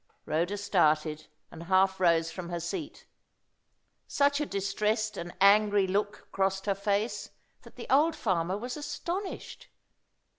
Rhoda started, and half rose from her seat. Such a distressed and angry look crossed her face that the old farmer was astonished.